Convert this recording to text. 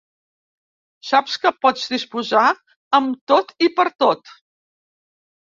Saps que pots disposar, amb tot i per tot